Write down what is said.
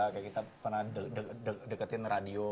kayak kita pernah deketin radio